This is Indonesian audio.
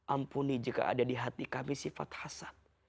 ampuni jika ada di hati kami sifat hasad